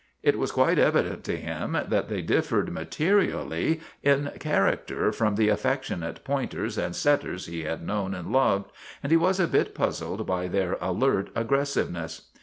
It was quite evident to him that they differed materially in char acter from the affectionate pointers and setters he had known and loved, and he was a bit puzzled by their alert aggressiveness.